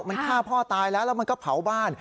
มันฆ่าพ่อตายแล้วแล้วมันก็เผาบ้าน